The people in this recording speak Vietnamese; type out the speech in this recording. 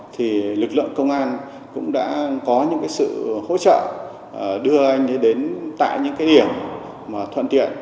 thì lực lượng công an đã có sự hỗ trợ đưa anh đến tại những điểm thùận tiện